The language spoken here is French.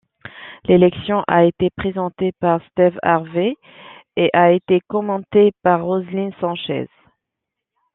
L'élection a été présenté par Steve Harvey et a été commenté par Roselyn Sanchez.